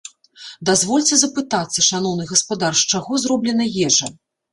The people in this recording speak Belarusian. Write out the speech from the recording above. Дазвольце запытацца, шаноўны гаспадар, з чаго зроблена ежа?